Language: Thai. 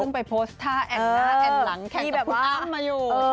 ซึ่งไปโพสตาร์แอนด์หน้าแอนด์หลังแข่งกับคุณอ้ามมาอยู่